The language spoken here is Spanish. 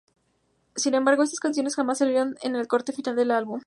Sin embargo, estas canciones jamás salieron en el corte final del álbum.